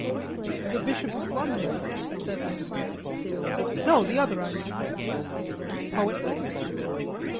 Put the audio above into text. "The Bishop of London," said Lincoln. "No the other, I mean." "Poet Laureate."